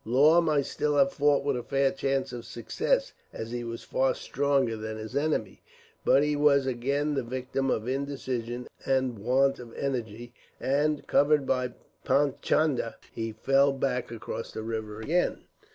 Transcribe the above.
Law might still have fought with a fair chance of success, as he was far stronger than his enemy, but he was again the victim of indecision and want of energy, and, covered by Paichandah, he fell back across the river again.